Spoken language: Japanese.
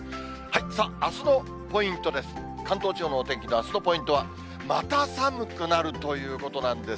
さあ、あすのポイントです。